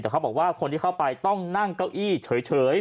แต่เขาบอกว่าคนที่เข้าไปต้องนั่งเก้าอี้เฉย